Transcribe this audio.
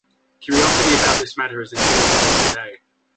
Curiosity about this matter has endured until today.